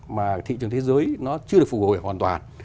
mà thị trường thế giới nó chưa được phục hồi hoàn toàn